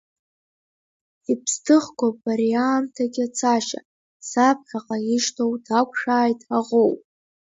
Иԥсҭыхгоуп арии аамҭагь ацашьа, саԥхьаҟа ишьҭоу дақәшәааит ҳаӷоу.